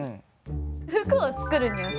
服を作るにはさ。